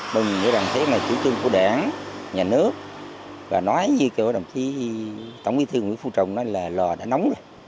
mừng nghĩ rằng thế này chủ trương của đảng nhà nước và nói như đồng chí tổng bí thư nguyễn phu trọng nói là lò đã nóng rồi